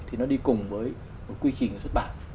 thì nó đi cùng với một quy trình xuất bản